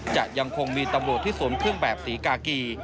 ยังคงมีตำรวจที่สวมเครื่องแบบศรีกากี